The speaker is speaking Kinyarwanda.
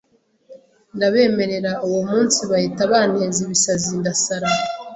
ndabemerera uwo munsi bahita banteza ibisazi ndasara